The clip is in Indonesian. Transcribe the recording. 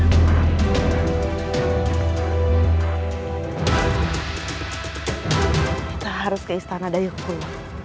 kita harus ke istana dayukul